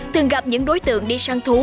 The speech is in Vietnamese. thường gặp những đối tượng đi săn thú